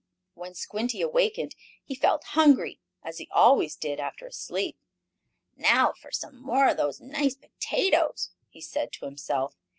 When Squinty awakened he felt hungry, as he always did after a sleep. "Now for some more of those nice potatoes!" he said to himself.